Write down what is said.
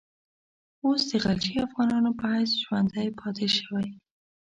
اوس د غلجي افغانانو په حیث ژوندی پاته شوی.